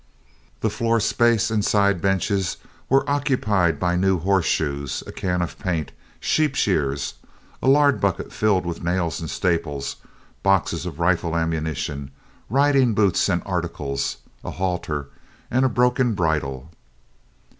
The floor space and side benches were occupied by new horse shoes, a can of paint, sheep shears, a lard bucket filled with nails and staples, boxes of rifle ammunition, riding boots and arctics, a halter and a broken bridle.